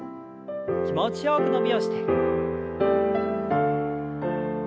気持ちよく伸びをして。